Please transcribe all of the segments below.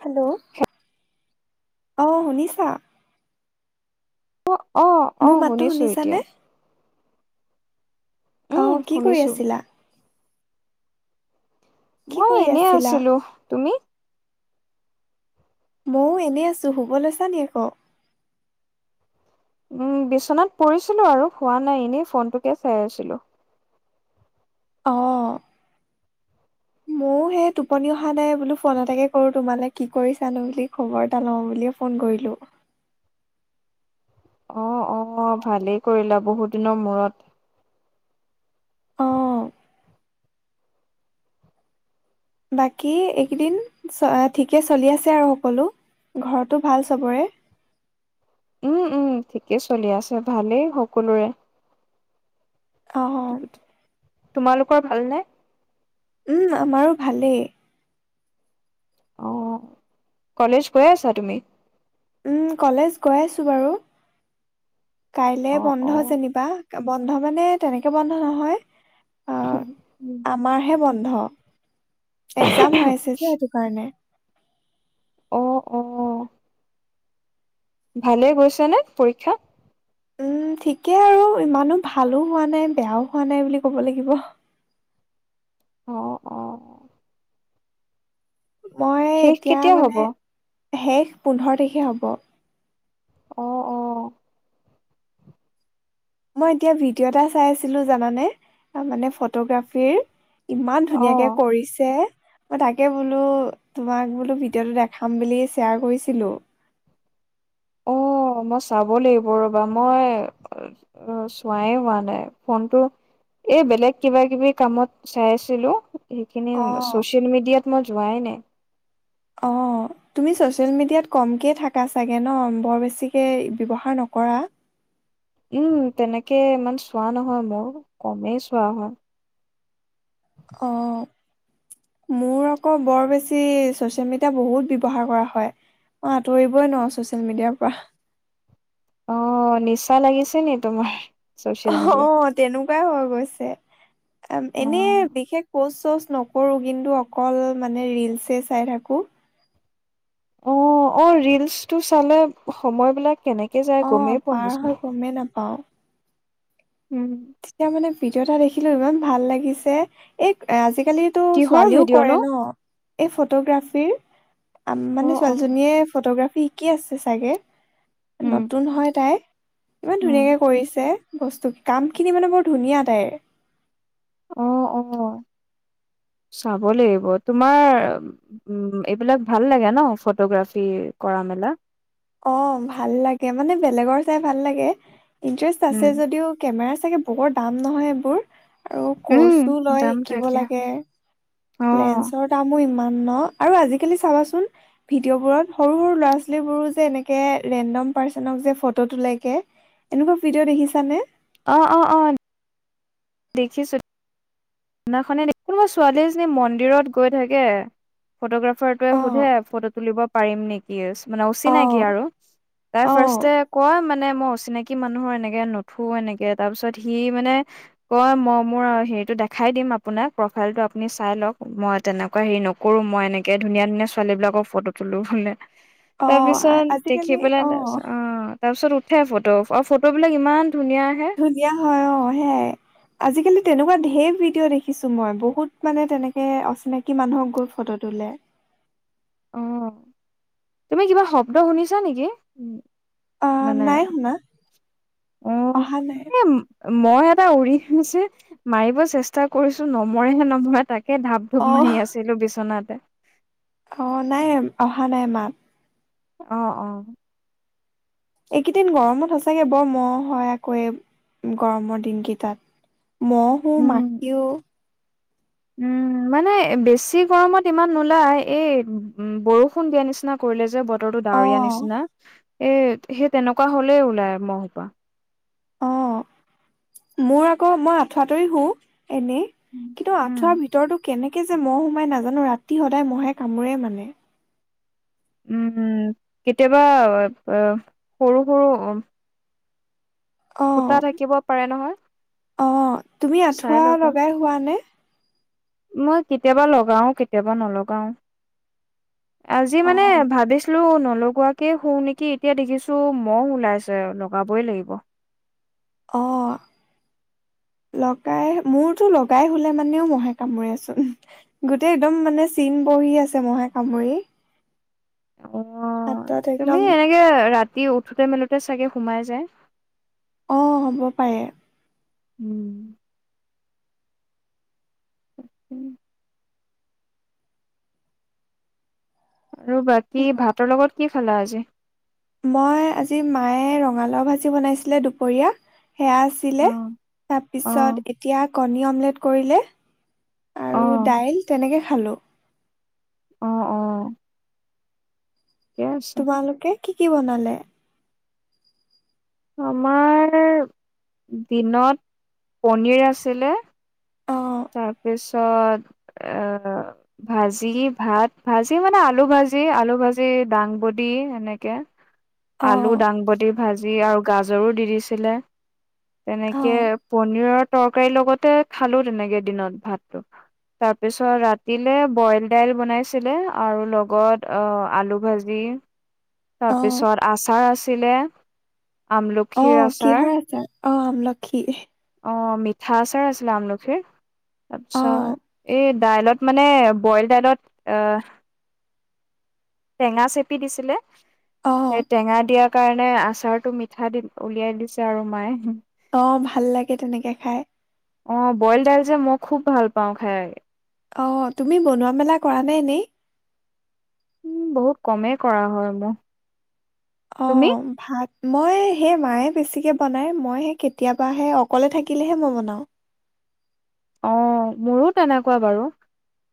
Hello, অ', শুনিছা? অ', অ', অ', মোৰ মাততো শুনিছোঁ এতিয়া। শুনিছানে উম, অ', কি কৰি শুনিছো। আছিলা? কি মই কৰি এনে আছিলা আছিলোঁ, তুমি? মও এনে আছোঁ, শুব লৈছা নি আকৌ? উম বিছনাত পৰিছিলো আৰু শোৱা নাই এনে ফোনটোকে চাই আছিলো। অ', মোৰ মোৰ সেই টোপনি অহা নাই বোলো ফোন এটাকে কৰো তোমালে কি কৰিছানো, কি খবৰ এটা লওঁ বুলিয়ে ফোন কৰিলো। অ', অ', ভালে কৰিলা বহুত দিনৰ মূৰত। অ বাকী এইকেদিন অ', ঠিকে চলি আছে আৰু সকলো, ঘৰটো ভাল চবৰে। উম উম ঠিকে চলি আছে ভালে সকলোৰে। অ', অ'। তোমালোকৰ ভাল নে? উম আমাৰো ভালে। অ', কলেজ গৈ আছা তুমি? উম কলেজ গৈ আছো বাৰু, কাইলে অ', বন্ধ অ', যেনিবা। বন্ধ মানে তেনেকে বন্ধ নহয় উম। আমাৰ হে বন্ধ, এগজাম হৈ আছে যে সেইটো কাৰণে। অ', অ'। ভালে গৈছে নে পৰীক্ষা। উম ঠিকে আৰু ইমানো ভালো হোৱা নাই, বেয়াও হোৱা নাই বুলি ক'ব লাগিব। অ', অ'। মই শেষ এতিয়া কেতিয়া হ'ব? মানে, শেষ পোন্ধৰ তাৰিখে হ'ব। অ', অ'। মই এতিয়া ভিডিঅ' এটা চাই আছিলো জানানে, তাৰ মানে ফটোগ্ৰাফীৰ। ইমান ধুনীয়াকে অ'। কৰিছে। মই তাকে বোলো, তোমাক বোলো ভিডিঅ'টো দেখাম বুলি শ্বেয়াৰ কৰিছিলো। অ', মই চাব লাগিব ৰ'বা মই অক, চোৱায়ে হোৱা নাই ফোনটো। এই বেলেগ কিবা কিবি কামত চাই আছিলো। সেইখিনি অ', ছ'চিয়েল মিডিয়াত মই যোৱায়ে নাই। অ'। তুমি ছ'চিয়েল মিডিয়াত ক'মকে থাকা চাগে ন বৰ বেছিকে ব্যৱহাৰ নকৰা। উম তেনেকে ইমান চোৱা নহয় বাৰু কমে চোৱা হয়। অ'। মোৰ আকৌ বৰ বেছি ছ'চিয়েল মিডিয়া বহুত ব্যৱহাৰ কৰা হয়। মই আতঁৰিবয়ে নোৱাৰো ছ'চিয়েল মিডিয়াৰ পৰা। অ' নিচা লাগিছে নি তোমাৰ ছ'চিয়েল মিডিয়াৰ অ', তেনেকুৱাই হৈ গৈছে এনে অ' বিশেষ পষ্ট চষ্ট নকৰো কিন্তু অকল মানে ৰিলচ চাই থাকো অ অ ৰিলচ টো চালে সময় বিলাক কেনেকে যায় অ', গমেই পোৱা পাৰ হৈ নাচোন গমেই নাপাওঁ উম তেতিয়া মানে ভিডিঅ' এটা দেখিলো ইমান ভাল লাগিছে এই আজিকালি কিহৰ ছোৱালীও ভিডিঅ' কৰে নো এই ফটোগ্ৰাফীৰ অ' মানে অ' ছোৱালীজনীয়ে ফটোগ্ৰাফী শিকি আছে চাগে উম নতুন হয় তাই ইমান উম ধুনীয়াকে কৰিছে বস্তুত কাম খিনি মানে বৰ ধুনীয়া তাইৰ অ' অ' চাব লাগিব তোমাৰ উম এইবিলাক ভাল লাগে ন ফটোগ্ৰাফি কৰা মেলা অ ভাল লাগে মানে বেলেগৰ চাই ভাল লাগে ইণ্টাৰেষ্ট আছে উম যদিও কেমেৰা চাগে বৰ দাম নহয় এইবোৰ আৰু উম কৰ্চো লয় দাম শিকিব থাকে লাগে অ লেন্সৰ দামো ইমান ন, আৰু আজিকালি চাবাচোন ভিডিঅ'বোৰত সৰু হৰো ল'ৰা-ছোৱালীবোৰো যে এনেকে ৰেনদম পাৰছনক যে ফটো তোলে গে এনেকুৱা ভিডিঅ' দেখিছানে? অ অ অ দেখিছো সেদিনাখনে দেখ কোনোবা ছোৱালী এজনী মন্দিৰত গৈ থাকে ফটোগ্ৰাফাৰটোৱে অ', সোধে ফটো তুলিব পাৰিম নি ইয়েছ মানে অচিনাকি অ', আৰু তাই অ', ফাৰ্ষ্টে কয় মানে মই অচিনাকি মানুহৰ এনেকে নুথো এনেকে তাৰপিছত সি মানে কয় মই মোৰ আৰু সেইটো দেখাই দিম আপোনাক প্ৰফাইলটো আপুনি চাই লওক মই তেনেকুৱা হেৰি নকৰোঁ মই এনেকে ধুনীয়া ধুনীয়া ছোৱালীবিলাকক ফটো তোলো ভোলে [inaudible] তাৰপিছত দেখি পেলাই তাৰপিছত অ তাৰপিছত উঠে ফটো আৰু ফটোবিলাক ইমান ধুনীয়া আহে ধুনীয়া হয় অ হেয়াই আজিকালি তেনেকুৱা ঢেৰ ভিডিঅ' দেখিছোঁ মই বহুত মানে তেনেকে অচিনাকি মানুহক গৈ ফটো তুলে অ তুমি কিবা শব্দ শুনিছা নেকি? উম অ মানে নাই শুনা, অহা নাই। মহ এটা উৰি ফুৰিছে মাৰিব চেষ্টা কৰিছো নমৰেহে নমৰে তাক কে ধাপ অ ধুপ মাৰি আছিলো বিচনাতে অ নাই অহা নাই মাত অ অ এইকেইদিন গৰমত সচাঁকে বৰ মহ হয় আকৌ এই গৰমৰ দিনকেইটাত মহো, উম, মাখিও উম মানে বেছি গৰমত ইমান নোলাই এই উম বৰষুণ দিয়া নিচিনা কৰিলে যে ব তৰটো অ ডাৱৰীয়া নিচিনা এ সেই তেনেকুৱা হ'লেই ওলাই মহখোপা অ মোৰ আক মই আঠুৱা তৰি শু এনেই কিন্তু উম, আঠুৱা ভিতৰতো কেনেক কে যে মহ সোমাই নাজানো ৰাতি সদায় মহে কামোৰেই মানে উম কেতিয়াবা সৰু সৰু উম অ ফুটা থাকিব পাৰে নহয় অ তুমি চাই আঠুৱা ল'বা। লগাই শুৱা নে? মই কেতিয়াবা লগাওঁ, কেতিয়াবা নলগাওঁ। আজি অ মানে ভাবিছিলো নলগোৱা কে শু নেকি, এতিয়া দেখিছো মহ ওলাইছে লগাবই লাগিব। অ লগাই মোৰতো লগাই শুলেও মানেও মহে কামোৰে চোন গোটেই একদম মানে চিন বহি আছে মহে কামুৰি অ হাতত একদম তুমি এনেকে ৰাতি উঠোতে মেলোতে চাগে সোমাই যায় অ হ'ব পাৰে উম উম। ৰবা, কি ভাতৰ লগত, কি খালা আজি? মই আজি, মায়ে ৰঙালাওঁ ভাজি বনাইছিলে দুপৰীয়া সেয়া আছিলে, অ', অ', তাৰপিছত এতিয়া কণী অমলেট কৰিলে আৰু অ', দাইল তেনেকে খালো। অ', অ'। ঠিকে আছে। তোমালোকে, কি কি বনালে? আমাৰ দিনত, পনীৰ আছিলে অ তাৰপিছত এ [inaudible] ভাজি ভাত, ভাজি মানে আলু ভাজি, আলু ভাজি দাংগুতি এনেকে। অ আলু দাংগুতি ভাজি, আৰু গাজৰো দি দিছিলে অ তেনেকে পনীৰৰ তৰকাৰীৰ লগতে খালোঁ, তেনেকে দিনত ভাতটো। তাৰপিছত ৰাতিলে বইল দাইল বনাইছিলে, আৰু লগত আহ, আলু ভাজি জি, অ তাৰপিছত আচাৰ আছিলে। অ', কিহৰ আচাৰ, অ' আমলখিৰ। অ', মিঠা আচাৰ আছিলে আমলখিৰ। অ আচ্ছা, এই দাইলত মানে, বইল দাইলত আহ টেঙা চেপি দিছিলে। অ সেই টেঙা দিয়াৰ কাৰণে আচাৰতটো মিঠা দি উলিয়াই দিছে আৰু মায়ে। অ', ভাল লাগে তেনেকে খাই। অ', বইল দাইল যে মই খুব ভাল পাওঁ খাই। অ', তুমি বনোৱা মেলা কৰা নে এনে? উম, বহুত কমেই কৰা হয় মোৰ। তুমি অ', ভাত মই সেই মায়ে বেছিকে বনাই, মই হে কেতিয়াবাহে অকলে থাকিলেহে, মই বনাওঁ। অ', মোৰো তেনেকুৱা বাৰু।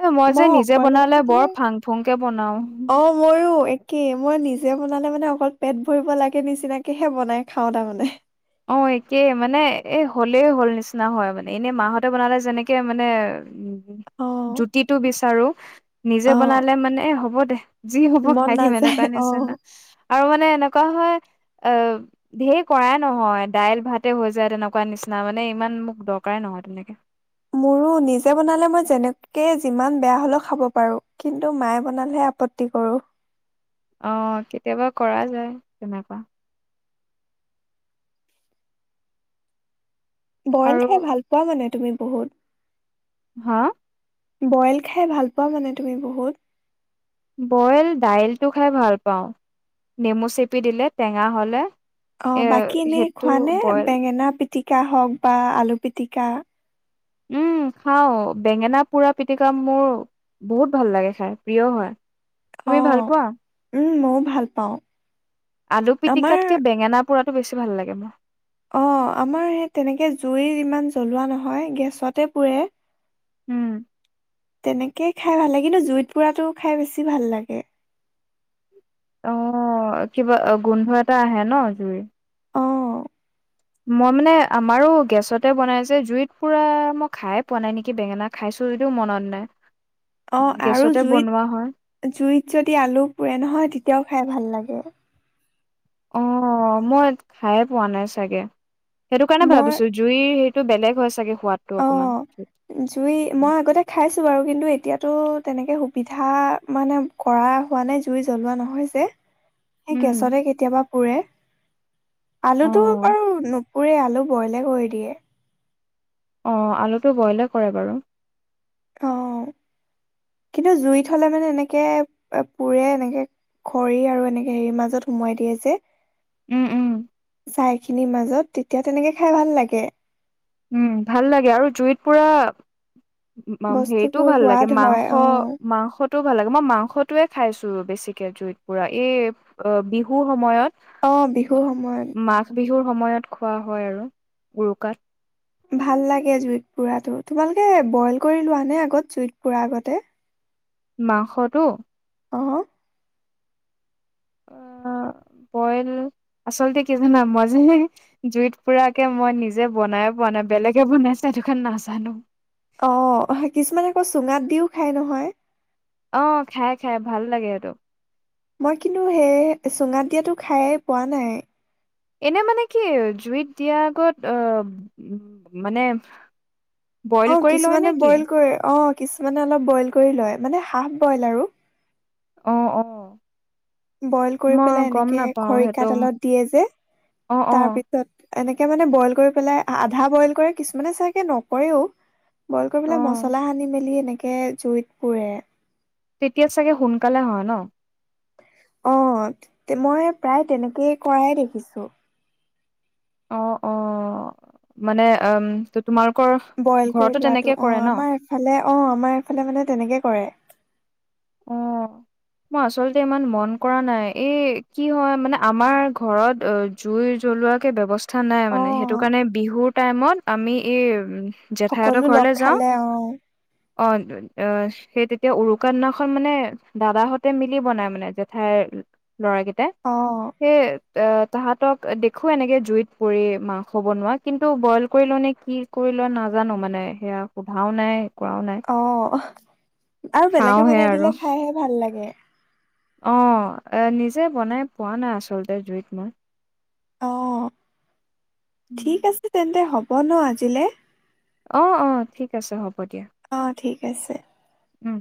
এ মই যে নিজে অকলে বনালে, থাকিলে বৰ ফাং ফুংকে বনাওঁ। অ' মইও একেই, মই নিজে বনালে মানে অকল পেট ভৰিব লাগে নিচিনাকেহে বনাই খাওঁ তাৰমানে। অ', একেই মানে এ হলেই হ'ল নিচিনা হয়, মানে এনে মাহঁতে বনালে যেনেকে মানে অ' জুতিটো বিচাৰো নিজে অ' বনালে মানে এ হ'ব দে, যি হ'ব মন খাই দিম এনেকুৱা নাযায় নিচিনা। অ'। আৰু মানে এনেকুৱা হয়, আহ ধেই কৰাই নহয়, দাইল ভাতে হৈ যায়, তেনেকুৱা নিচিনা মানে ইমান মোক দৰকাৰে নহয় তেনেকে। মোৰো নিজে বনালে, মই যেনেকে যিমান বেয়া হ'লেও খাব পাৰো, কিন্তু মায়ে বনালেহে আপত্তি কৰোঁ। অ', কেতিয়াবা কৰা যায় তেনেকুৱা। বইল আৰু খাই ভাল পোৱা মানে তুমি বহুত। হা? বইল খাই ভাল পোৱা মানে, তুমি বহুত। বইল দাইলটো খাই ভাল পাওঁ, নেমু চেপি দিলে, টেঙা হ'লে। এ অ' বাকী এনেই সেইটো খোৱা নে, বইল বেঙেনা পিটিকা হওঁক, বা আলু পিতিকা? উম খাওঁ, বেঙেনা পোৰা পিটিকা মোৰ বহুত ভাল লাগে খাই, প্ৰিয় হয়, অ তুমি ভাল পোৱা? উম, মইও ভাল পাওঁ। আলু আমাৰ পিটিকাতকে বেঙেনা পোৰাটো বেছি ভাল লাগে মোৰ। অ' আমাৰ সেই তেনেকে জুই ইমান জ্বলোৱা নহয়, গেছতে পোৰে। উম। তেনেকে খাই ভাল লাগে, কিন্তু, জুইত পোৰাটো খাই বেছি ভাল লাগে। অ' কিবা অ- গোন্ধ এটা আহে ন', জুই। অ মই মানে আমাৰো গেছতে বনায় যে, জুইত পোৰা মই খাইয়ে পোৱা নাই নেকি বেঙেনা খাইছোঁ যদিও মনত অ নাই। আৰু গেছতে জুইত বনোৱা হয়। জুইত যদি আলু পোৰে নহয়, তেতিয়াও খাই ভাল লাগে। অ' মই খাইয়ে পোৱা নাই চাগে। সেইটো কাৰণে মই ভাবিছোঁ জুইৰ সেইটো বেলেগ হয় চাগে সোৱাদটো অ অকমান। জুই মই আগতে খাইছোঁ বাৰু, কিন্তু, এতিয়াতো তেনেকে সুবিধা মানে কৰা হোৱা নাই, জুই জ্বলোৱা নহয় যে। এই উম, গেছতে কেতিয়াবা পোৰে। আলুটো অ', বাৰু ন পোৰে, আলু বইলে কৰি দিয়ে। অ', আলুটো বইলে কৰে বাৰু। অ', কিন্তু জুইত হ'লে মানে এনেকে এ পোৰে এনেকে খৰি আৰু এনেকে হেৰিৰ মাজত সোমোৱাই দিয়ে যে উম, উম। ছাইখিনিৰ মাজত, তেতিয়া তেনেকে খাই ভাল লাগে। উম, ভাল লাগে আৰু জুইত পোৰা মাম- হেৰিটোও বস্তুবোৰ ভাল লাগে, সোৱাদ হয় মাংস, অ', মাংস টো ভাল লাগে। মই মাংসটোৱে খাইছোঁ বেছিকে জুইত পোৰা, এই অ'- বিহু সময়ত অ', বিহুৰ মা- সময়ত। মাঘ বিহুৰ সময়ত খোৱা হয় আৰু, উৰুকাত। ভাল লাগে জুইত পোৰাটো। তোমালোকে বইল কৰি লোৱা নে আগত, জুইত পোৰাৰ আগতে? মাংসটো? অ'? অ' বইল- আচলতে কি জানা, মই যে জুইত পোৰাকে মই নিজে বনাই পোৱা নাই, বেলেগে বনাইছে। এইটো কাৰণে নাজানো। অ', কিছুমানে আকৌ চুঙাত দিওঁ খায় নহয়। অ' খাই, খাই, ভাল লাগে সেইটো। মই কিন্তু সেই চুঙাত দিয়াটো খাইয়ে পোৱা নাই। এনে মানে কি, জুইত দিয়াৰ আগত আহ উম- মানে বইল অ' কৰি লয় কিছুমানে নেকি? বইল কৰে। অ', কিছুমানে অলপ বইল কৰি লয় মানে, হাফ বইল আৰু। অ', অ'। বইল কৰি মই পেলাই, গম এনেকে নাপাও সেইটো খৰিকাডালত দিয়ে যে, অ', অ', তাৰপি ত এনেকে মানে বইল কৰি পেলাই আধা বইল কৰে, কিছুমানে চাগে নকৰেও। বইল কৰি পেলাই অ', মচলা সানি মেলি এনেকে জুইত পোৰে। তেতিয়া চাগে সোনকালে হয় ন'? অ', তো মই সেই প্ৰায় তেনেকেই কৰাই দেখিছোঁ। অ', অ', মানে আম- তো তোমালোকৰ ঘৰতো তেনেকে কৰে ন'? ইফালে অ', আমাৰ এফালে মানে তেনেকে কৰে। অ'। মই আচলতে ইমান মন কৰা নাই। এই কি হয় মানে, আমাৰ ঘৰত অ জুই জ্বলোৱাকে ব্যৱস্থা নাই অ মানে, সেইটো কাৰণে বিহুৰ টাইমত আমি এই জেঠাইহঁতৰ সকলো লগ ঘৰলে যাওঁ। খালে অ অ' অ'- সেই তেতিয়া উৰুকাৰ দিনা অকল মানে দাদাহঁতে মিলি বনাই মানে জেঠাইৰ ল'ৰাকেইটাই। অ'। সেই তাহাঁতক দেখো এনেকে জুইত পুৰি মাংস বনোৱা। কিন্তু বইল কৰি নে কি কৰি লোৱা নাজানো মানে, সেয়া সোধাও নাই কৰাও নাই অ' আৰু বেলেগে খাওঁহে বনাই আৰু দিলে খাইহে ভাল লাগে। অ' এ নিজে বনাই পোৱা নাই আচলতে জুইত মই। অ' ঠিক আছে তেন্তে হ'ব ন আজিলৈ। অ' অ' ঠিক আছে হ'ব দিয়া। অঁ ঠিক আছে। উম।